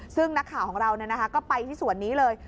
ซึ่งนักข่าวของเราก็ไปที่สวนนี้เลย